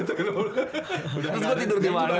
udah abis gue tidur dimana